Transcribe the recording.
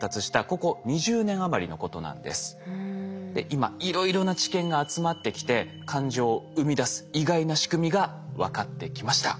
今いろいろな知見が集まってきて感情を生み出す意外な仕組みが分かってきました。